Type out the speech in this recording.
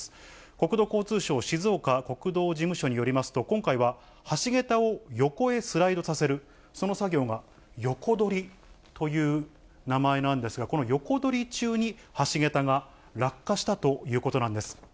国土交通省静岡国道事務所によりますと、今回は橋桁を横へスライドさせる、その作業が横取りという名前なんですが、この横取り中に橋桁が落下したということなんです。